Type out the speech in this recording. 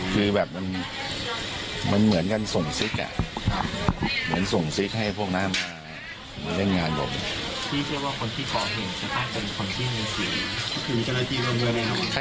คือแบบมันเหมือนกันส่งซิคส่งซิคให้พวกน้ำมายเล่นงานบอก